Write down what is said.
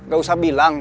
gak usah bilang